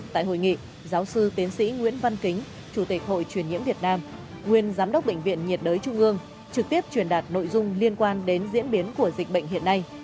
tại hội nghị giáo sư tiến sĩ nguyễn văn kính chủ tịch hội truyền nhiễm việt nam nguyên giám đốc bệnh viện nhiệt đới trung ương trực tiếp truyền đạt nội dung liên quan đến diễn biến của dịch bệnh hiện nay